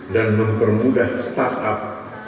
dan mempermudah startup